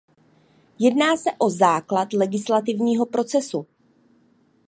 Jedná se o základ legislativního procesu.